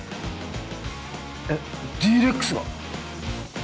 えっＤ−ＲＥＸが？